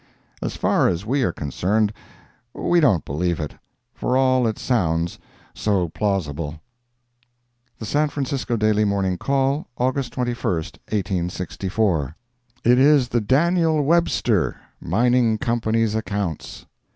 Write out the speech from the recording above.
As far as we are concerned, we don't believe it, for all it sounds so plausible. The San Francisco Daily Morning Call, August 21, 1864 IT IS THE DANIEL WEBSTER MINING COMPANIES' ACCOUNTS.